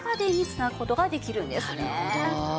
なるほど。